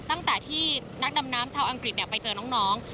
ตั้งแต่ที่นักดำน้ำชาวอังกฤษไปเจอน้อง